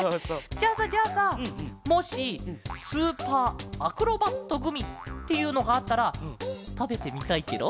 じゃあさじゃあさもしスーパーアクロバットグミっていうのがあったらたべてみたいケロ？